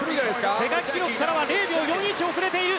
世界記録からは０秒４１遅れている。